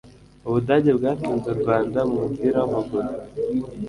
Ubudage bwatsinze u Rwanda mu mupira wamaguru